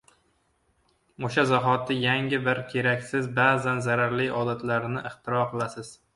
o‘sha zahoti yangi bir keraksiz, ba’zan zararli odatni ixtiro qilasiz.